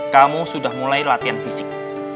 kamu sudah mulai latihan fisik